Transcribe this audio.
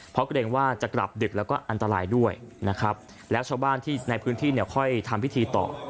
เพราะเกรงว่าจะกลับดึกแล้วก็อันตรายด้วยนะครับแล้วชาวบ้านที่ในพื้นที่เนี่ยค่อยทำพิธีต่อ